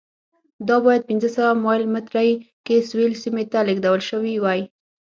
دا باید پنځه سوه مایل مترۍ کې سویل سیمې ته لېږدول شوې وای.